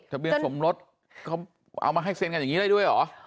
ทะเบียนสมรสเขาเอามาให้เซ็นกันอย่างนี้ได้ด้วยเหรอ